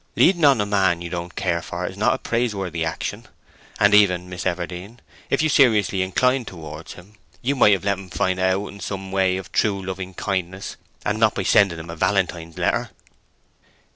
Leading on a man you don't care for is not a praiseworthy action. And even, Miss Everdene, if you seriously inclined towards him, you might have let him find it out in some way of true loving kindness, and not by sending him a valentine's letter."